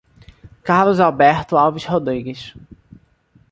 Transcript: Carlos Alberto Alves Rodrigues